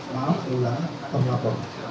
maaf gular terlapor